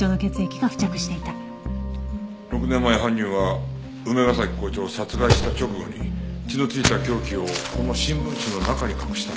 ６年前犯人は梅ヶ崎校長を殺害した直後に血の付いた凶器をこの新聞紙の中に隠したんだな。